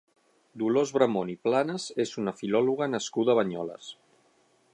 Dolors Bramon i Planes és una filòloga nascuda a Banyoles.